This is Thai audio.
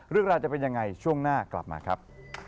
เรื่องราวจะเป็นยังไงช่วงหน้ากลับมาครับ